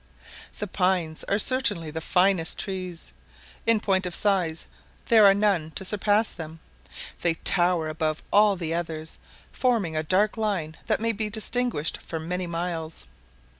The pines are certainly the finest trees. In point of size there are none to surpass them. They tower above all the others, forming a dark line that may be distinguished for many miles.